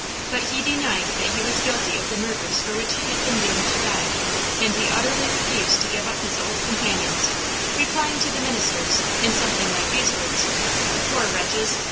But he denied that he was guilty of the murders for which he had been doomed to die, and he utterly refused to give up his old companions, replying to the ministers in something like these words: "Poor wretches!